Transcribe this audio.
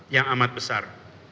yang amat besar